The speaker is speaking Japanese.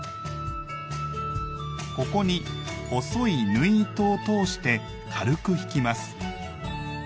ここに細い縫い糸を通して軽く引きます。